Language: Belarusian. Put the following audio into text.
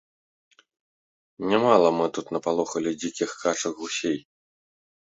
Нямала мы тут напалохалі дзікіх качак, гусей.